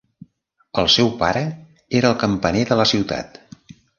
El seu pare era el campaner de la ciutat.